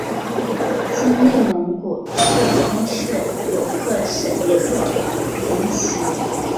今内蒙古赤峰市有克什克腾旗。